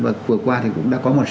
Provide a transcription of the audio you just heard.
và vừa qua thì cũng đã có một số